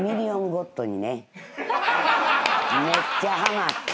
めっちゃハマって。